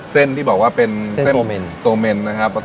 เส้นที่บอกว่าเป็นเส้นโซเมนโซเมนนะครับ